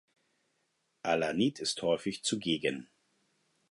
Allanit ist häufig zugegen.